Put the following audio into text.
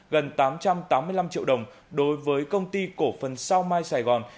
gần tám trăm tám mươi năm triệu đồng đối với công ty cổ phần sao mai sài gòn